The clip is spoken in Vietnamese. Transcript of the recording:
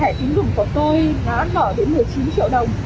thẻ tiến dụng của tôi đã mở đến một mươi chín triệu đồng